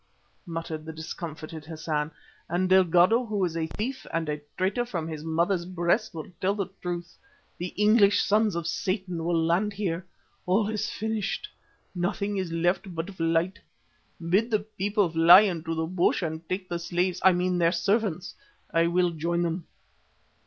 muttered the discomfited Hassan, "and Delgado, who is a thief and a traitor from his mother's breast, will tell the truth. The English sons of Satan will land here. All is finished; nothing is left but flight. Bid the people fly into the bush and take the slaves I mean their servants. I will join them."